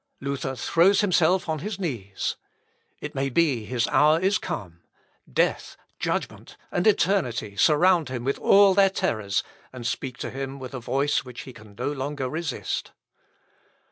Luther throws himself on his knees. It may be his hour is come, Death, judgment, and eternity, surround him with all their terrors, and speak to him with a voice which he can no longer resist.